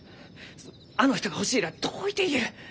あの人が欲しいらあどういて言える？